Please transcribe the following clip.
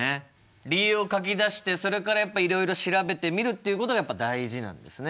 理由を書き出してそれからいろいろ調べてみるっていうことがやっぱ大事なんですね。